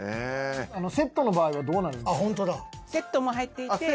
セットの場合はどうなるんですか？